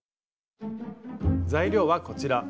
材料はこちら。